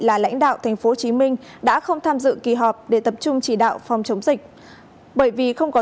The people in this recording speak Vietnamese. là lãnh đạo tp hcm đã không tham dự kỳ họp để tập trung chỉ đạo phòng chống dịch bởi vì không có